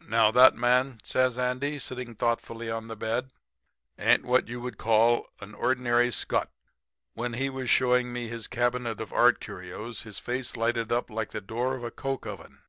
"'Now, that man,' says Andy, sitting thoughtfully on the bed, 'ain't what you would call an ordinary scutt. When he was showing me his cabinet of art curios his face lighted up like the door of a coke oven.